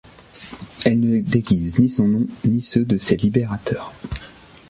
Elle ne déguise ni son nom ni ceux de ses libérateurs.